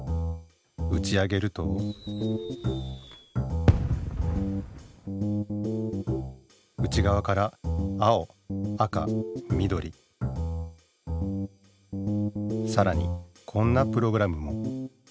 うち上げると内がわから青赤みどりさらにこんなプログラムも。